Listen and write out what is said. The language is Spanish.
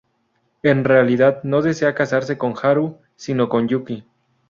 En realidad no desea casarse con Haru, sino con Yuki.